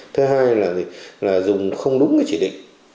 thứ hai là dùng không đúng cái chỉ định